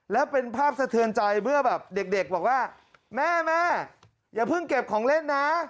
แล้วเป็นภาพสะเทือนใจเพื่อแบบเด็กบอกว่าแม่แม่อย่าเพิ่งเก็บของเล่นนะ